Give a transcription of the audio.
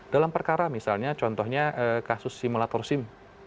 dalam perkara misalnya contohnya kasus simulator sim